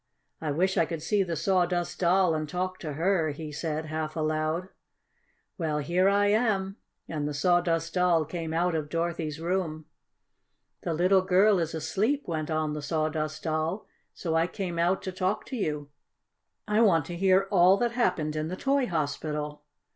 I wish I could see the Sawdust Doll and talk to her," he said half aloud. "Well, here I am," and the Sawdust Doll came out of Dorothy's room. "The little girl is asleep," went on the Sawdust Doll, "so I came out to talk to you. I want to hear all that happened in the toy hospital.